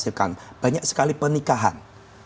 dan itu akan menyebabkan banyak sekali pernikahan